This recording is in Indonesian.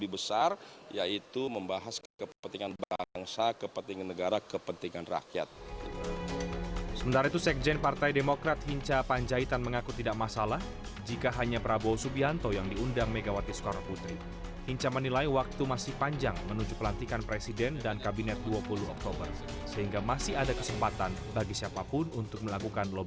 pertemuan ini sudah direncanakan lama sejak terakhir kali mereka bertemu pada asia tenggara